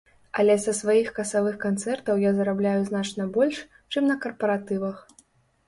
Але са сваіх касавых канцэртаў я зарабляю значна больш, чым на карпаратывах.